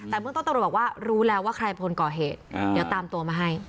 แต่เบื้องต้นตำรวจบอกว่ารู้แล้วว่าใครพลก่อเหตุเดี๋ยวตามตัวมาให้